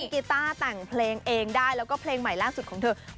ทั้งเล่นกิต้าต่างเพลงเองได้แล้วก็เพลงใหม่ล่างสุดของเธอ